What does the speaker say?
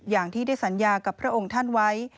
อย่างที่ได้สัญญากับพระองค์ท่านไว้